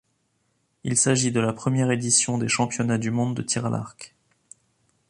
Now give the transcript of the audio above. Il s'agit de la première édition des championnats du monde de tir à l'arc.